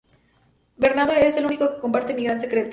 Bernardo es es único que comparte mi gran secreto.